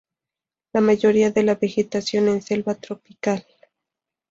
La mayoría de la vegetación es selva tropical.